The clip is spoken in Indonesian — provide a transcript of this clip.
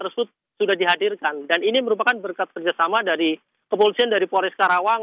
tersebut sudah dihadirkan dan ini merupakan berkat kerjasama dari kepolisian dari polres karawang